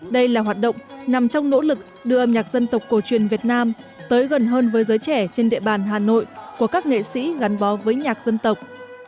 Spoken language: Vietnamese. đây là hoạt động nằm trong nỗ lực đưa âm nhạc dân tộc cổ truyền việt nam tới gần hơn với giới trẻ trên địa bàn hà nội của các nghệ sĩ gắn bó với nhạc dân tộc